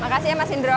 makasih ya mas indro